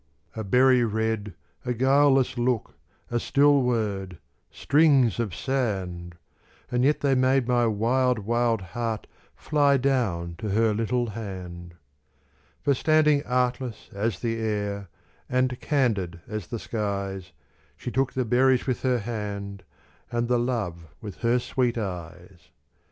A berry red, a guileless look, A still word, strings of sand! And yet they made my wild, wild heart Fly down to her little hand. For standing artless as the air, And candid as the skies, She took the berries with her hand, And the love with her sweet eyes.